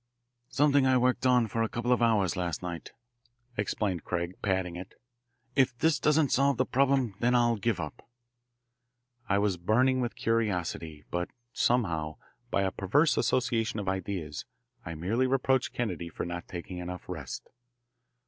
"Something I worked on for a couple of hours last night," explained Craig, patting it. "If this doesn't solve the problem then I'll give it up." I was burning with curiosity, but somehow, by a perverse association of ideas, I merely reproached Kennedy for not taking enough rest.